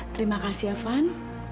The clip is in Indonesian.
terima kasih tovan